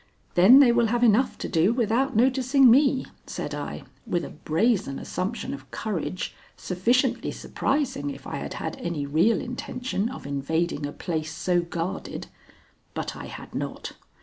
"Then they will have enough to do without noticing me," said I, with a brazen assumption of courage sufficiently surprising if I had had any real intention of invading a place so guarded. But I had not.